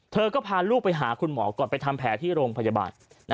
เธอก็พาลูกไปหาคุณหมอก่อนไปทำแผลที่โรงพยาบาล